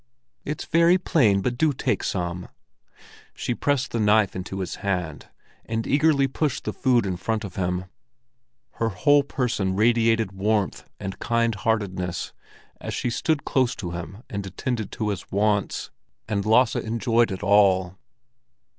"It's very plain, but do take some." She pressed the knife into his hand, and eagerly pushed the food in front of him. Her whole person radiated warmth and kind heartedness as she stood close to him and attended to his wants; and Lasse enjoyed it all.